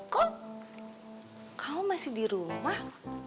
kok kamu masih di rumah